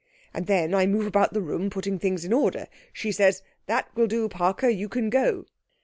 And then I move about the room, putting things in order. She says, "That will do, Parker; you can go."'